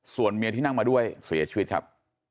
ส่วนเมียที่นั่งมาด้วยเสียชีวิตครับ